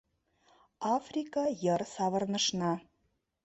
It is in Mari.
Африка йыр савырнышна.